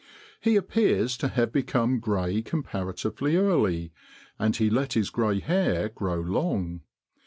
He appears to have become gray comparatively early, and he let his gray hair grow long.